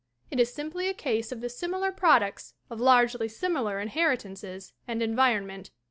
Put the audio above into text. It is simply a case of the similar products of largely similar inheritances and environment.